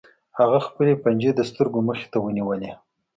هغه خپلې پنجې د سترګو مخې ته ونیولې